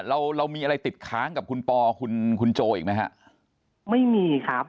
เราเรามีอะไรติดค้างกับคุณปอคุณคุณโจอีกไหมฮะไม่มีครับ